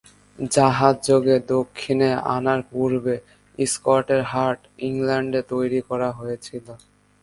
জাহাজযোগে দক্ষিণে আনার পূর্বে স্কটের হাট ইংল্যান্ডে তৈরি করা হয়েছিল।